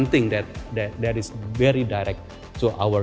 untuk membuat jalan ke jalan keuangan lebih dalam